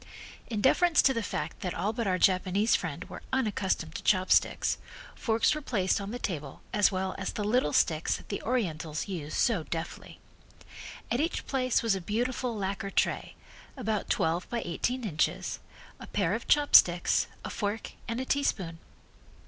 In deference to the fact that all but our Japanese friend were unaccustomed to chopsticks, forks were placed on the table as well as the little sticks that the Orientals use so deftly. At each place was a beautiful lacquer tray, about twelve by eighteen inches, a pair of chopsticks, a fork and a teaspoon.